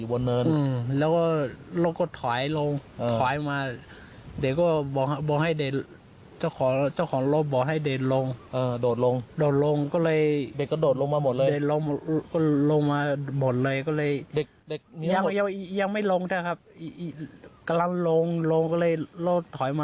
เป็นคนบอกให้เด็กโดดลงใช่ไหม